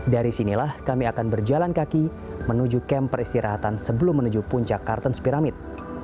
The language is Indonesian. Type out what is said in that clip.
dari sinilah kami akan berjalan kaki menuju kem peristirahatan sebelum menuju puncak kartens piramid